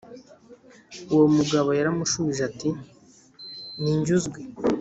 Uwo mugabo yaramushubije ati ninjye uzwi